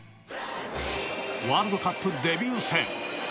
ワールドカップ、デビュー戦。